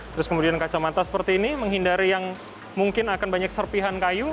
terus kemudian kacamata seperti ini menghindari yang mungkin akan banyak serpihan kayu